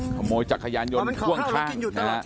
ขโมยจักรยานโดนพ่วงข้าง